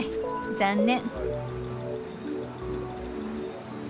残念。